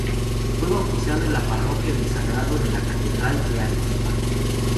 Fue bautizado en la Parroquia el Sagrario de la Catedral de Arequipa.